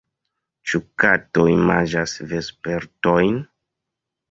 Ĉu katoj manĝas vespertojn?